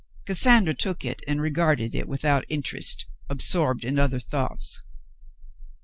Cassandra took it and regarded it without interest, ab sorbed in other thoughts.